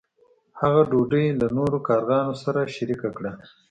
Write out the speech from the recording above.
هغه ډوډۍ له نورو کارغانو سره شریکه کړه.